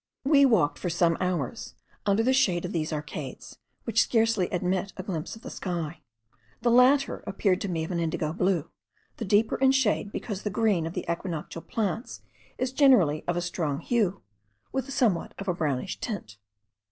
We walked for some hours under the shade of these arcades, which scarcely admit a glimpse of the sky; the latter appeared to me of an indigo blue, the deeper in shade because the green of the equinoctial plants is generally of a stronger hue, with somewhat of a brownish tint.